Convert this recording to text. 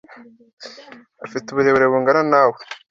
afite uburebure bungana nawe